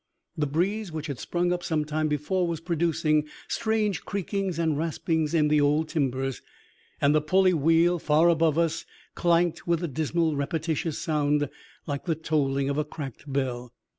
The breeze which had sprung up some time before was producing strange creakings and raspings in the old timbers, and the pulley wheel far above us clanked with a dismal repetitious sound, like the tolling of a cracked bell.